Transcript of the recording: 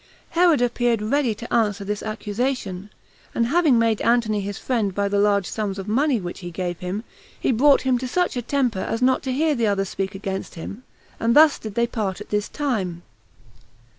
Herod appeared ready to answer this accusation; and having made Antony his friend by the large sums of money which he gave him, he brought him to such a temper as not to hear the others speak against him; and thus did they part at this time.